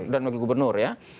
dan lagi gubernur ya